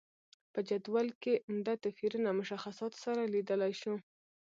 په جدول کې عمده توپیرونه مشخصاتو سره لیدلای شو.